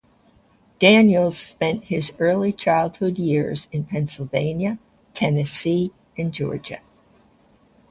Daniels spent his early childhood years in Pennsylvania, Tennessee, and Georgia.